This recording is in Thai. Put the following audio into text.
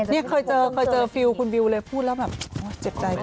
นี่เคยเจอคุณวิวเลยพูดแล้วแบบเจ็บใจ